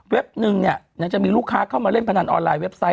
นึงเนี่ยจะมีลูกค้าเข้ามาเล่นพนันออนไลเว็บไซต์